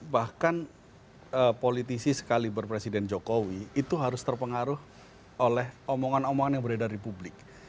bahkan politisi sekali berpresiden jokowi itu harus terpengaruh oleh omongan omongan yang beredar di publik